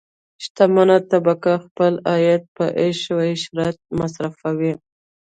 شتمنه طبقه خپل عاید په عیش او عشرت مصرفوي.